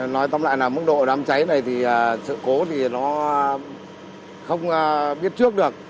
nói tóm lại là mức độ đám cháy này thì sự cố thì nó không biết trước được